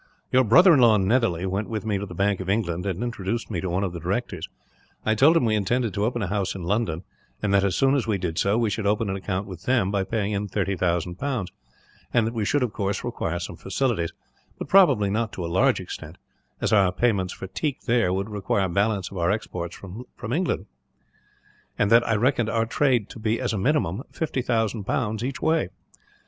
Your brother in law Netherly went with me to the Bank of England, and introduced me to one of the directors. I told him that we intended to open a house in London, and that as soon as we did so, we should open an account with them by paying in 30,000 pounds; and that we should, of course, require some facilities, but probably not to a large extent, as our payments for teak there would fairly balance our exports from England; and that I reckoned our trade to be, as a minimum, 50,000 pounds, each way.